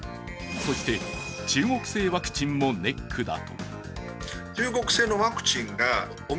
そして、中国製ワクチンもネックだ。